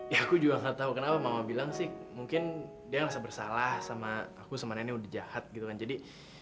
ya aku juga gak tau kenapa mama bilang sih mungkin dia gak rasa bersalah sama aku sama nenek udah jahat gitu kan jadi